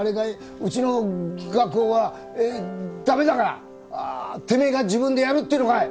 うちの画工は駄目だからてめえが自分でやるっていうのかい！？